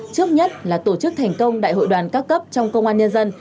trước nhất là tổ chức thành công đại hội đoàn các cấp trong công an nhân dân